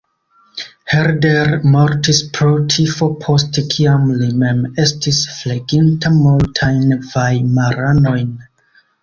Herder mortis pro tifo post kiam li mem estis fleginta multajn vajmaranojn.